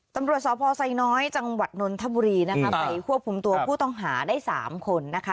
ตำรวจสพไซน้อยจังหวัดนนทบุรีนะคะไปควบคุมตัวผู้ต้องหาได้๓คนนะคะ